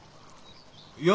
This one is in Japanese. いや。